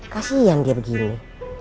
kasian dia begini